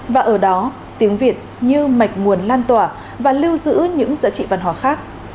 và ở đó tiếng việt như mạch nguồn lan tỏa và lưu giữ những giá trị văn hóa khác